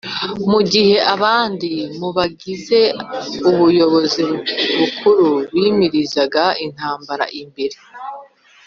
mu gihe abandi mu bagize ubuyobozi bukuru bimirizaga imbere intambara.